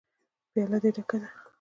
_پياله دې ډکه ده.